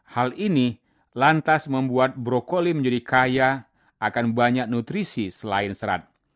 hal ini lantas membuat brokoli menjadi kaya akan banyak nutrisi selain serat